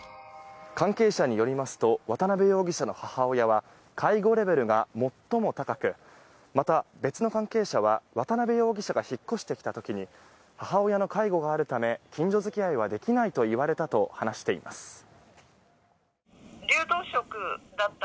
関係者によりますと渡邊容疑者の母親は介護レベルが最も高くまた、別の関係者は渡邊容疑者が引っ越してきた時に母親の介護があるため近所付き合いはできないといわれたと話しています。